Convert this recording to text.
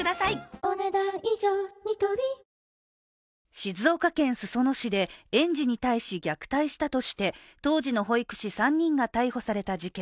静岡県裾野市で園児に対し虐待したとして当時の保育士３人が逮捕された事件。